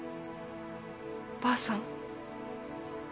ばあさん？